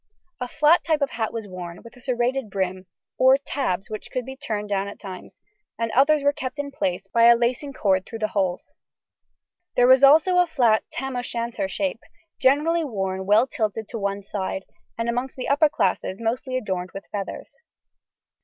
A flat type of hat was worn, with serrated brim, or tabs which could be turned down at times, and others were kept in place by a lacing cord through holes. There was also a flat "Tam o' Shanter" shape, generally worn well tilted on one side, and amongst the upper classes mostly adorned with feathers.